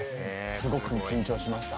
すごく緊張しました。